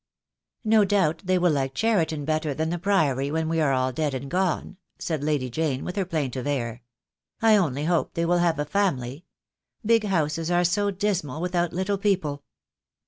"No doubt they will like Cheriton better than the Priory when we are all dead and gone," said Lady Jane, with her plaintive air. "I only hope they will have a family. Big houses are so dismal without little people."